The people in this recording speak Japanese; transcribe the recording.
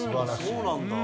そうなんだ。